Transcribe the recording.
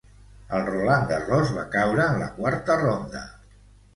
Al Roland Garros va caure en la quarta ronda.